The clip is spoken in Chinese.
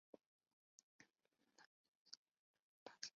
纳喇氏生下儿子巴雅喇。